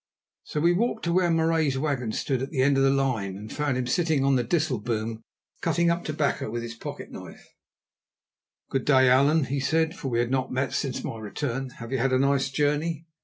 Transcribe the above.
So we walked to where Marais's wagon stood at the end of the line, and found him sitting on the disselboom cutting up tobacco with his pocket knife. "Good day, Allan," he said, for we had not met since my return. "Have you had a nice journey?"